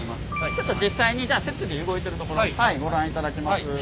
ちょっと実際にじゃあ設備動いてるところをご覧いただきます。